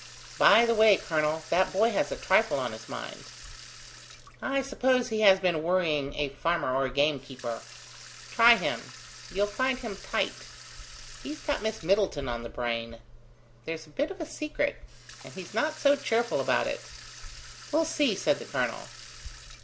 By the way, colonel, that boy has a trifle on his mind." "I suppose he has been worrying a farmer or a gamekeeper." "Try him. You'll find him tight. He's got Miss Middleton on the brain. There's a bit of a secret; and he's not so cheerful about it." "We'll see," said the colonel.